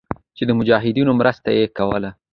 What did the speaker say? چې د مجاهدينو مرسته ئې کوله.